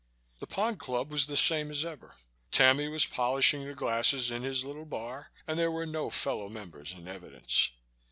The Pond Club was the same as ever. Tammy was polishing the glasses in his little bar and there were no fellow members in evidence.